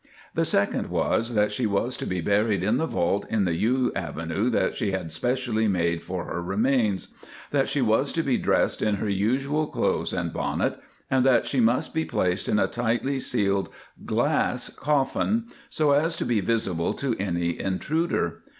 The second was that she was to be buried in the vault in the yew avenue that she had specially made for her remains; that she was to be dressed in her usual clothes and bonnet, and that she must be placed in a tightly sealed glass coffin, so as to be visible to any intruder.